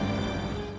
untuk mencapai kemampuan